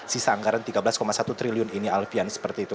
sisa anggaran tiga belas satu triliun ini alfian seperti itu